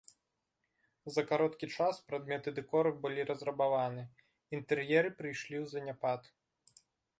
За кароткі час прадметы дэкору былі разрабаваны, інтэр'еры прыйшлі ў заняпад.